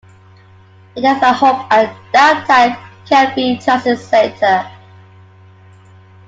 It has a hub at the downtown Canby Transit Center.